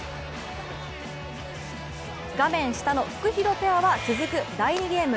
画面下のフクヒロペアは続く第２ゲーム。